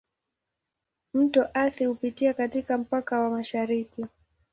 Mto Athi hupitia katika mpaka wa mashariki.